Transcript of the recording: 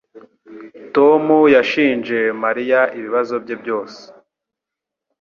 Tom yashinje Mariya ibibazo bye byose.